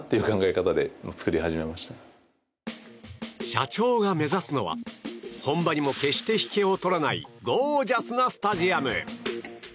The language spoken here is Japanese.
社長が目指すのは本場にも決して引けを取らないゴージャスなスタジアム。